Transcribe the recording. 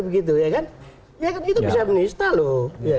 ya kan itu bisa menista loh